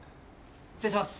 失礼します。